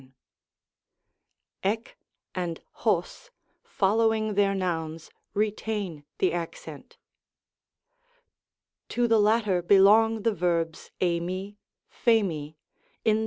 s^c and coq, following their nouns, retain the accent. To the latter belong the verbs ti/uly (prj/nc, in the Pres.